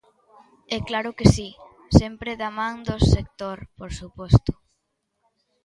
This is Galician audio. E claro que si, sempre da man do sector, por suposto.